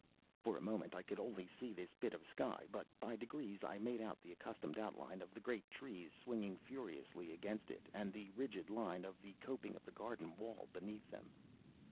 For a moment I could only see this bit of sky, but by degrees I made out the accustomed outline of the great trees swinging furiously against it, and the rigid line of the coping of the garden wall beneath them.